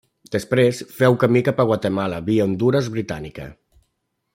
Després feu camí cap a Guatemala via Hondures Britànica.